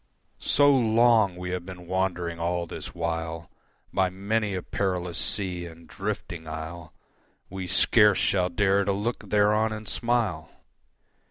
So long we have been wandering all this while By many a perilous sea and drifting isle, We scarce shall dare to look thereon and smile.